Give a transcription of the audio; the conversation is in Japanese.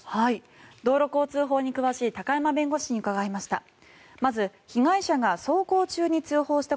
道路交通法に詳しい高山弁護士に伺いました。